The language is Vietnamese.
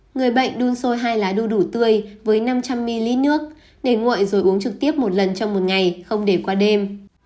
người bệnh đun sôi hai lá đu đủ tươi với năm trăm linh ml nước để nguội rồi uống trực tiếp một lần trong một ngày không để qua đêm